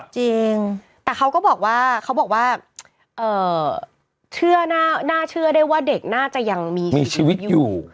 จริงแต่เขาก็บอกว่าเขาบอกว่าน่าเชื่อได้ว่าเด็กน่าจะยังมีชีวิตอยู่